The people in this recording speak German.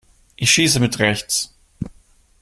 Ich schieße mit rechts.